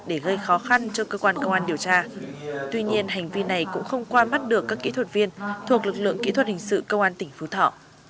để gây khó khăn cho cơ quan công an điều tra tuy nhiên hành vi này cũng không qua mắt được các kỹ thuật viên thuộc lực lượng kỹ thuật hình sự công an tỉnh phú thọ